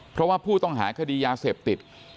เพราะว่าผู้ต้องหาคดียาเสพติด